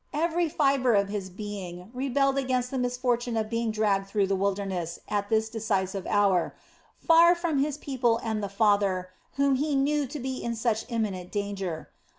Every fibre of his being rebelled against the misfortune of being dragged through the wilderness at this decisive hour, far from his people and the father whom he knew to be in such imminent danger.